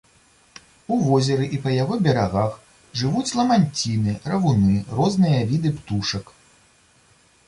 У возеры і па яго берагах жывуць ламанціны, равуны, розныя віды птушак.